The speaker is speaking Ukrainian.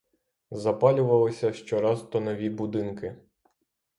Запалювалися щораз то нові будинки.